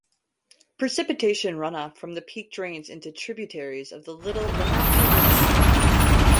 Precipitation runoff from the peak drains into tributaries of the Little Wenatchee River.